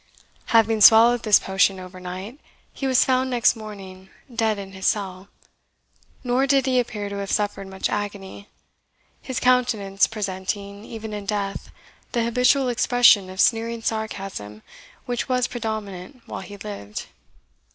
Having swallowed this potion over night, he was found next morning dead in his cell; nor did he appear to have suffered much agony, his countenance presenting, even in death, the habitual expression of sneering sarcasm which was predominant while he lived.